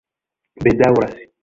bedaŭras